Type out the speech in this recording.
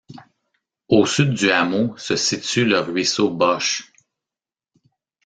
Au sud du hameau se situe le ruisseau Bosch.